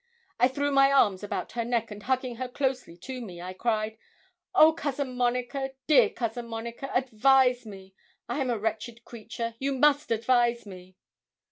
I threw my arms about her neck, and hugging her closely to me, I cried 'Oh, Cousin Monica, dear Cousin Monica, advise me. I am a wretched creature. You must advise me.'